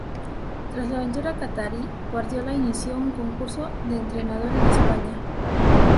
Tras la aventura qatarí, Guardiola inició un curso de entrenador en España.